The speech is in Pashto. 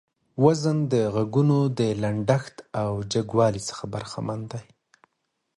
وزن د غږونو د لنډښت او جګوالي څخه برخمن دى.